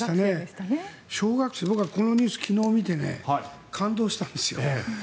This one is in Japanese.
小学生僕はこのニュース、昨日見て感動したんですよ。